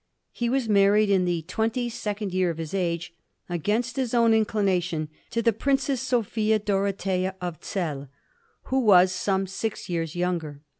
He was married in the twenty second year of his age against his own inclination to the Princess Sophia Dorothea of ZeU, who was some six years younger.